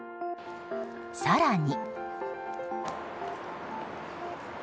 更に。